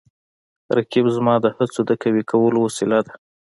رقیب زما د هڅو د قوي کولو وسیله ده